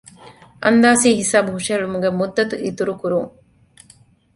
އަންދާސީ ހިސާބު ހުށަހެޅުމުގެ މުއްދަތު އިތުރު ކުރުން